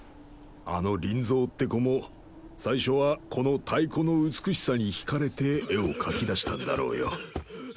あのリンゾーって子も最初はこの太鼓の美しさにひかれて絵を描きだしたんだろうよ。